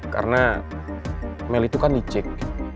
karena mel itu kan licik